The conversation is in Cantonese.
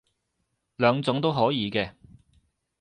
兩種都可以嘅